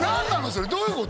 それどういうこと？